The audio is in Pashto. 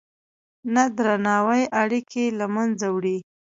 نه درناوی اړیکې له منځه وړي.